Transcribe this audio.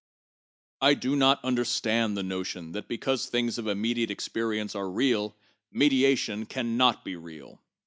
I do not understand the notion that because things of immediate experience are real, mediation can not be real.